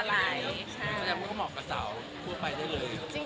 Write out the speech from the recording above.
ก็เหมาะกับสาวชั่วไปด้วย